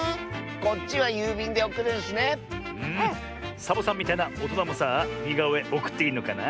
サボさんみたいなおとなもさあにがおえおくっていいのかな？